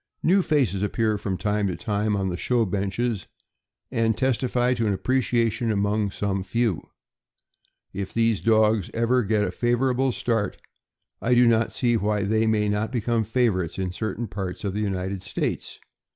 New faces appear from time to time on the show benches, and testify to an appreciation among some few. If these dogs ever get a favorable start, I do not see why they may not become favorites in certain parts of the United States.